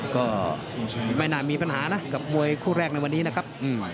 ก็ไม่น่ามีปัญหานะกับมวยคู่แรกในวันนี้นะครับ